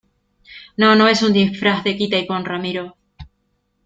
no, no es un disfraz de quita y pon , Ramiro.